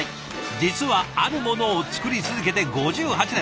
実はあるものを作り続けて５８年。